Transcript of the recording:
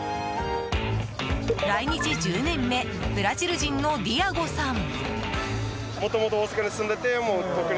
来日１０年目ブラジル人のディアゴさん。